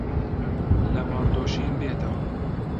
لە مەڕ دۆشین بێتەوە